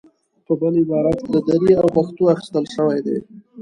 په بل عبارت له دري او پښتو اخیستل شوې دي.